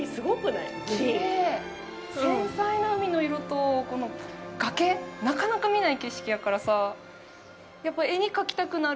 繊細な海の色とこの崖なかなか見ない景色やからさ